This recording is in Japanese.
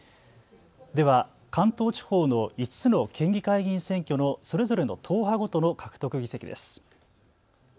では関東地方の５の県議会議員選挙のそれぞれの党派ごとの獲得議席です。